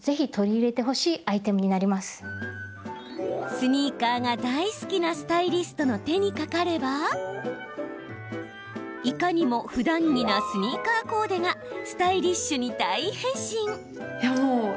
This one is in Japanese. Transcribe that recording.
スニーカーが大好きなスタイリストの手にかかればいかにも、ふだん着なスニーカーコーデがスタイリッシュに大変身。